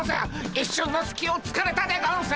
一瞬のすきをつかれたでゴンス！